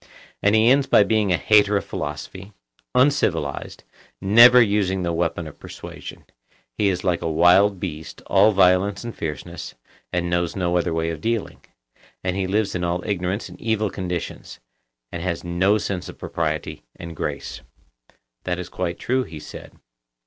And he ends by becoming a hater of philosophy, uncivilized, never using the weapon of persuasion,—he is like a wild beast, all violence and fierceness, and knows no other way of dealing; and he lives in all ignorance and evil conditions, and has no sense of propriety and grace. That is quite true, he said.